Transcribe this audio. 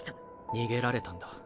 逃げられたんだ。